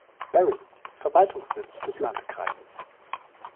Barry ist Verwaltungssitz des Landkreises.